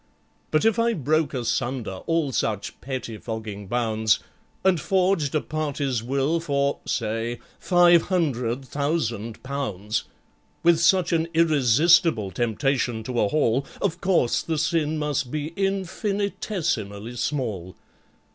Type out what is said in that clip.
"But if I broke asunder all such pettifogging bounds, And forged a party's Will for (say) Five Hundred Thousand Pounds, With such an irresistible temptation to a haul, Of course the sin must be infinitesimally small.